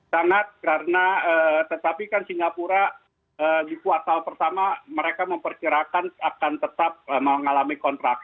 sangat karena tetapi kan singapura di kuartal pertama mereka memperkirakan akan tetap mengalami kontrak